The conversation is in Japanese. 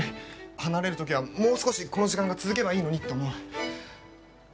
離れる時は、もう少しこの時間が続けばいいのにと思う。